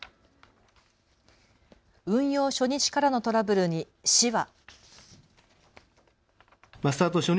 運用初日からのトラブルに市は。